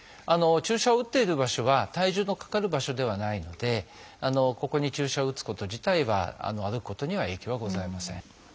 注射を打っている場所は体重のかかる場所ではないのでここに注射を打つこと自体は歩くことには影響はございません。